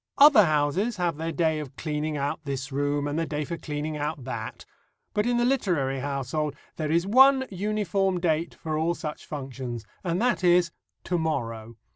Other houses have their day of cleaning out this room, and their day for cleaning out that; but in the literary household there is one uniform date for all such functions, and that is "to morrow."